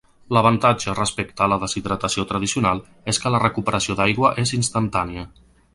L'avantatge respecte a la deshidratació tradicional és que la recuperació d'aigua és instantània.